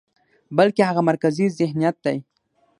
بلکې هغه مرکزي ذهنيت دى،